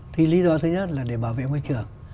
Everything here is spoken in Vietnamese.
thì lý do thứ nhất là để bảo vệ môi trường